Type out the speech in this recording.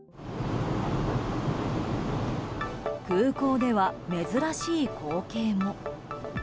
空港では珍しい光景も。